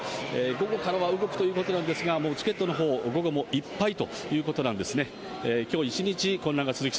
午後からは動くということなんですが、もうチケットのほう、午後もいっぱいということなんですね。